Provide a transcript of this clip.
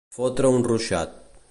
Fotre un ruixat.